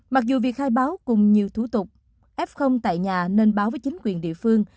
mặc dù việc khai báo cùng nhiều thủ tục f tại nhà nên báo với chính quyền địa phương